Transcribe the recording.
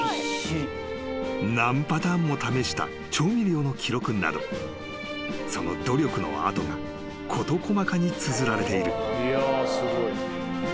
［何パターンも試した調味料の記録などその努力の跡が事細かにつづられている］